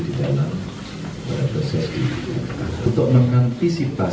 jika suara yang didapatkan tidak sesuai dengan data yang mereka miliki